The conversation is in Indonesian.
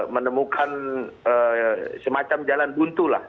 menemukan semacam jalan buntu lah